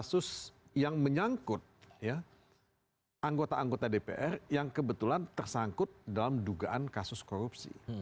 dan ada juga kasus kasus yang menyangkut anggota anggota dpr yang kebetulan tersangkut dalam dugaan kasus korupsi